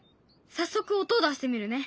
早速音を出してみるね。